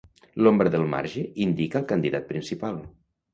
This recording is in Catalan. L"ombra del marge indica el candidat principal.